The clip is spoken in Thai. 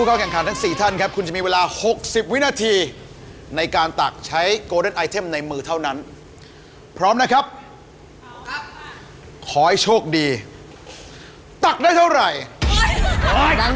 โอ้โฮมีแต่คนอยากได้หัวตกันทั้งนั้นเลยนะครับ